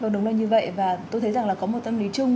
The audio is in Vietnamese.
vâng đúng là như vậy và tôi thấy rằng là có một tâm lý chung